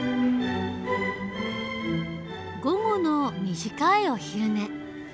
午後の短いお昼寝。